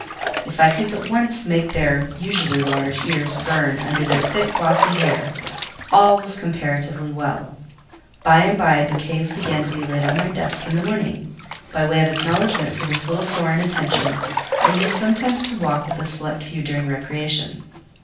If I could but once make their (usually large) ears burn under their thick glossy hair, all was comparatively well. By and by bouquets began to be laid on my desk in the morning; by way of acknowledgment for this little foreign attention, I used sometimes to walk with a select few during recreation.